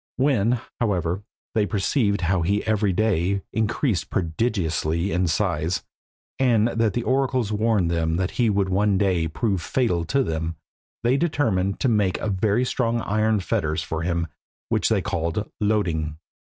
When, however, they perceived how he every day increased prodigiously in size, and that the oracles warned them that he would one day prove fatal to them, they determined to make very strong iron fetters for him which they called Loeding.